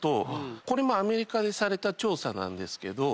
これもアメリカでされた調査なんですけど。